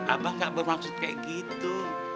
abang gak bermaksud kayak gitu